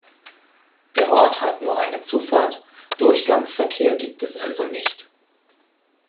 Der Ort hat nur eine Zufahrt, Durchgangsverkehr gibt es also nicht.